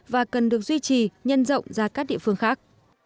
và cần được duy trì nhân rộng ra các địa phương khác